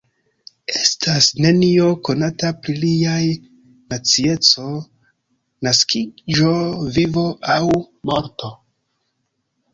Estas nenio konata pri liaj nacieco, naskiĝo, vivo aŭ morto.